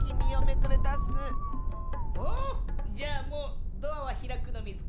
おじゃあもうドアはひらくのミズか？